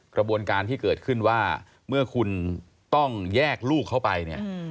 กระบวนการที่เกิดขึ้นว่าเมื่อคุณต้องแยกลูกเข้าไปเนี่ย